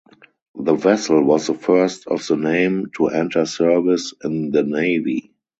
The vessel was the first of the name to enter service in the navy.